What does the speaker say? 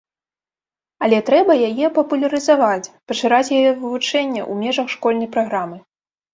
Але трэба яе папулярызаваць, пашыраць яе вывучэнне ў межах школьнай праграмы.